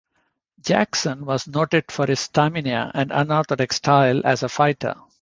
Jackson was noted for his stamina and unorthodox style as a fighter.